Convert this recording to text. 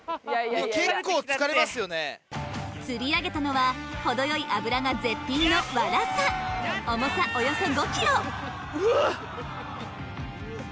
釣り上げたのは程よい脂が絶品のワラサ重さおよそ５ｋｇうわ。